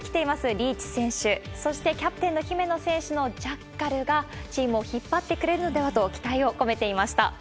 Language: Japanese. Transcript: リーチ選手、そしてキャプテンの姫野選手のジャッカルがチームを引っ張ってくれるのではないかと期待を込めていました。